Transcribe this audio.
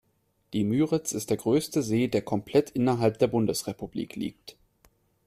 Die Müritz ist der größte See, der komplett innerhalb der Bundesrepublik liegt.